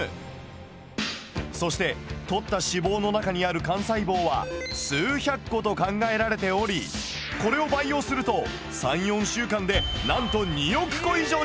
そしてとった脂肪の中にある幹細胞は数百個と考えられておりこれを培養すると３４週間でなんと２億個以上にすることも可能。